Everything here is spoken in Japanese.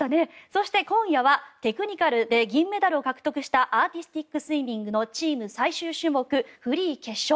そして、今夜はテクニカルで銀メダルを獲得したアーティスティックスイミングのチーム最終種目フリー決勝。